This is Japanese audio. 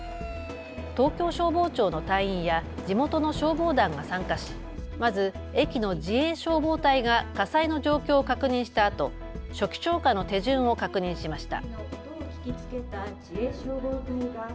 東京消防庁の隊員や地元の消防団が参加しまず駅の自衛消防隊が火災の状況を確認したあと初期消火の手順を確認しました。